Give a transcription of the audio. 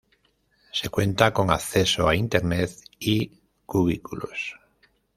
Se cuenta con acceso a Internet y cubículos.